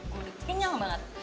gue udah kenyang banget